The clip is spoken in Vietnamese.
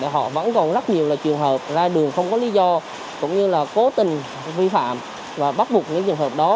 họ vẫn còn rất nhiều trường hợp ra đường không có lý do cũng như là cố tình vi phạm và bắt buộc những trường hợp đó